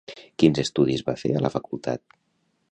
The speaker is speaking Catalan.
Quins estudis va fer a la facultat?